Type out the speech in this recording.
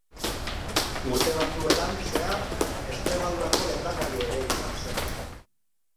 Urte batzuetan zehar, Extremadurako lehendakari ere izan zen.